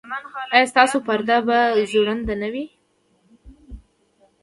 ایا ستاسو پرده به ځوړنده نه وي؟